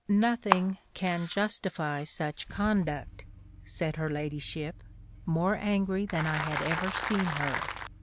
"Nothing can justify such conduct," said her ladyship, more angry than I had ever seen her.